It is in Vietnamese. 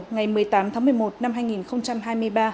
ngày một mươi tám tháng một mươi một năm hai nghìn hai mươi ba